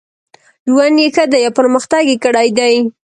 ژوند یې ښه دی او پرمختګ یې کړی دی.